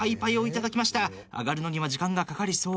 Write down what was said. あがるのには時間がかかりそう。